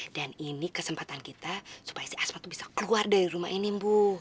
dan ini kesempatan kita supaya si asma tuh bisa keluar dari rumah ini bu